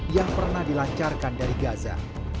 yang pernah dilancarkan dari gaza